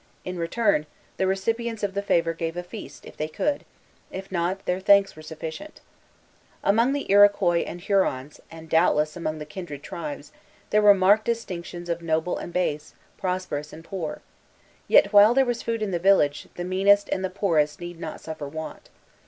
In return, the recipients of the favor gave a feast, if they could; if not, their thanks were sufficient. Among the Iroquois and Hurons and doubtless among the kindred tribes there were marked distinctions of noble and base, prosperous and poor; yet, while there was food in the village, the meanest and the poorest need not suffer want.